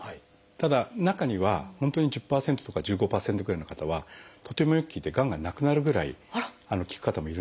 ただ中には本当に１０％とか１５％ぐらいの方はとてもよく効いてがんがなくなるぐらい効く方もいるので。